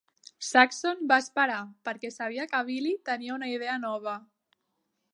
Saxon va esperar, perquè sabia que Billy tenia una idea nova.